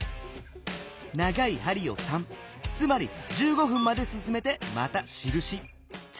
長い針を３つまり１５分まですすめてまたしるし。